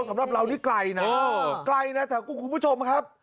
สำหรับเรานี่ไกลนะไกลนะแต่คุณผู้ชมครับ